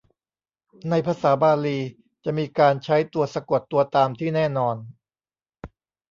ในภาษาบาลีจะมีการใช้ตัวสะกดตัวตามที่แน่นอน